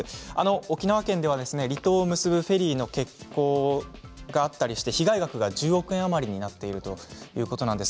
沖縄県では離島を結ぶフェリーの欠航があったりして被害額が１０億円余りになっているということなんです。